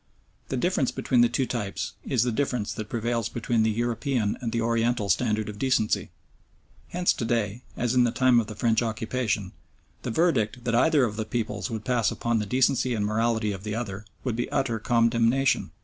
The difference between the two types is the difference that prevails between the European and the Oriental standard of decency. Hence to day, as in the time of the French occupation, the verdict that either of the peoples would pass upon the decency and morality of the other, would be utter condemnation.